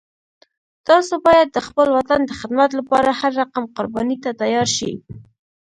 تاسو باید د خپل وطن د خدمت لپاره هر رقم قربانی ته تیار شئ